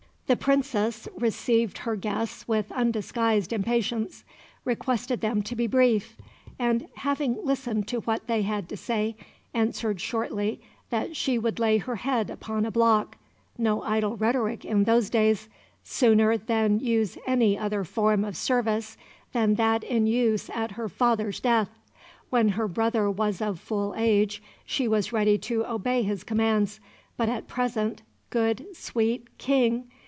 The Princess received her guests with undisguised impatience; requested them to be brief; and, having listened to what they had to say, answered shortly that she would lay her head upon a block no idle rhetoric in those days sooner than use any other form of service than that in use at her father's death; when her brother was of full age she was ready to obey his commands, but at present good, sweet King!